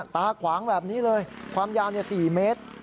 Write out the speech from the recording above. ตาขวางแบบนี้เลยความยาว๔เมตร